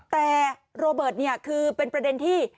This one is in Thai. แต่โรเบิร์ตเนี่ยคือเป็นประเด็นที่